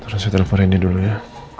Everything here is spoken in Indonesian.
tolong saya telepon rendy dulu ya